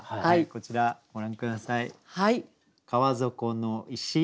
こちらご覧下さい。